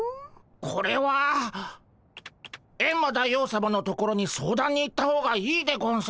これはエンマ大王さまのところに相談に行った方がいいでゴンス。